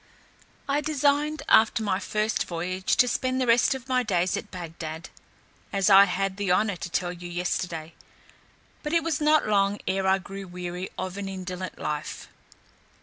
I designed, after my first voyage, to spend the rest of my days at Bagdad, as I had the honour to tell you yesterday; but it was not long ere I grew weary of an indolent life.